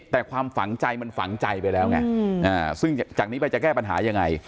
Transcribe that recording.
แต่ความฝังใจมันฝังใจไปแล้วไงซึ่งจากนี้ไปจะแก้ปัญหายังไง